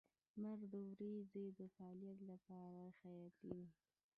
• لمر د ورځې د فعالیت لپاره حیاتي دی.